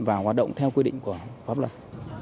và hoạt động theo quy định của pháp luật